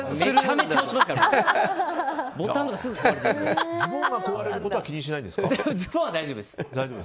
ズボンが壊れることは気にしないんですか？